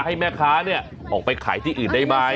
ให้แม่ค้าเนี่ยออกไปขายที่อื่นได้ไหม